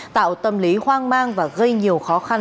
tạo tâm lý hoang mang và gây nhiều khó khăn